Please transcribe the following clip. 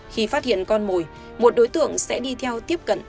khi phát hiện con mồi một đối tượng sẽ đi theo tiếp cận